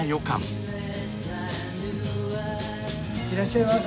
いらっしゃいませ。